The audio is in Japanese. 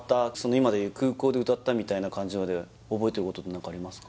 今でいう空港で歌ったみたいな感じので覚えてることって何かありますか？